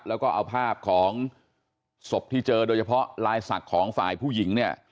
แล้วก็เอาภาพของศพที่เจอโดยเฉพาะลายศักดิ์ของฝ่ายผู้หญิงเนี่ย